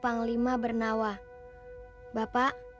bergembira dengan kami